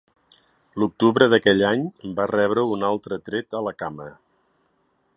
L'octubre d'aquell any, va rebre un altre tret a la cama.